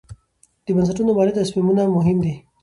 د بنسټونو مالي تصمیمونه مهم دي.